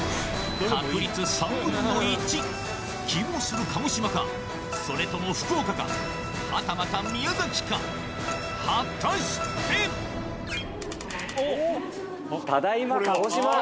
希望する鹿児島かそれとも福岡かはたまた宮崎か果たしてただいま鹿児島。